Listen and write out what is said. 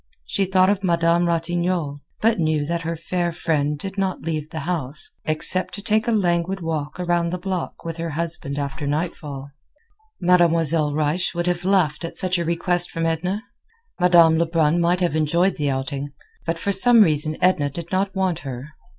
She thought of Madame Ratignolle, but knew that her fair friend did not leave the house, except to take a languid walk around the block with her husband after nightfall. Mademoiselle Reisz would have laughed at such a request from Edna. Madame Lebrun might have enjoyed the outing, but for some reason Edna did not want her.